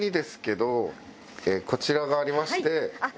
こちらがありまして。